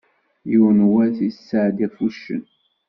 Yiwen wass i tettɛeddi ɣef wuccen.